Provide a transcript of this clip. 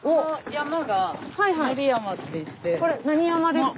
これなに山ですか？